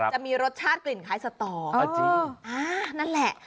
จะมีรสชาติกลิ่นคล้ายสตอนั่นแหละ